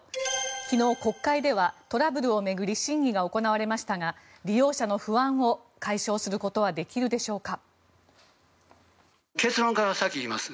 昨日、国会ではトラブルを巡り審議が行われましたが利用者の不安を解消することはできるでしょうか。